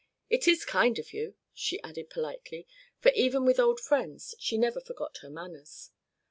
"It is kind of you," she added politely, for even with old friends she never forgot her manners.